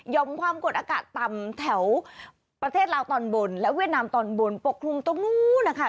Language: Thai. ความกดอากาศต่ำแถวประเทศลาวตอนบนและเวียดนามตอนบนปกคลุมตรงนู้นนะคะ